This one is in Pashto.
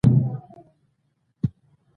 زه د یخو شپو نرم احساس خوښوم.